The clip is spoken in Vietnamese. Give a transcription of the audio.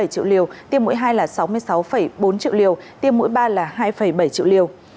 bảy triệu liều tiêm mỗi hai là sáu mươi sáu bốn triệu liều tiêm mỗi ba là hai bảy triệu liều